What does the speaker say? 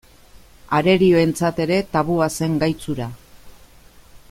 Arerioentzat ere tabua zen gaitz hura.